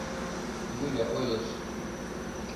Юля ойлыш.